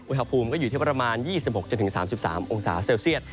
อุณหภูมิก็อยู่ที่ประมาณ๒๖๓๓องศาเซลเซียต